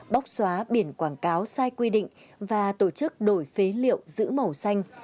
bóc xóa biển quảng cáo sai quy định và tổ chức đổi phế liệu giữ màu xanh